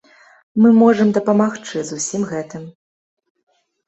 Мы можам дапамагчы з усім гэтым.